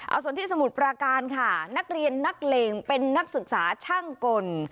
เอาส่วนที่สมุทรปราการค่ะนักเรียนนักเลงเป็นนักศึกษาช่างกล